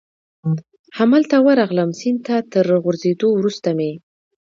همالته ورغلم، سیند ته تر غورځېدو وروسته مې.